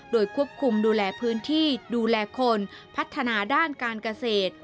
โดยควบคุมดูแลพื้นที่ดูแลคนพัฒนาด้านการเกษตร